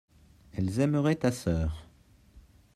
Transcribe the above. elles aimeraient ta sœur.